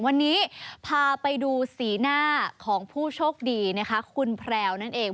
วันนี้พาไปดูสีหน้าของผู้โชคดีนะคะคุณแพรวนั่นเอง